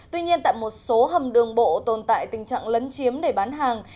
tuy nhiên tại một số hầm đường bộ tồn tại tình trạng lấn chiếm để bán hàng